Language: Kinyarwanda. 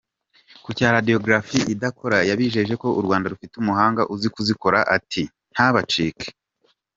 Ku cya Radiographie idakora yabijeje ko u Rwanda rufite umuhanga uzi kuzikora, ati “ ntabacike !".